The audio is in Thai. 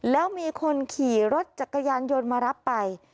แล้วมีคนขี่รถจักรยานยนต์มารับไป